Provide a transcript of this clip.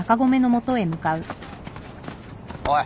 おい！